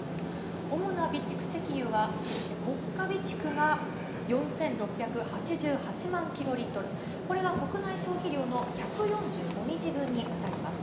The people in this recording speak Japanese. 主な備蓄石油は国家備蓄が４６８８万キロリットル、これが国内消費量の１４５日分に当たります。